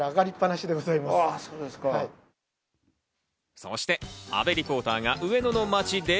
そして阿部リポーターが上野の街で。